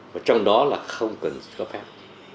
và trong đó là không cần sửa phép